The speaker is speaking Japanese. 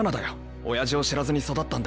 おやじを知らずに育ったんだ。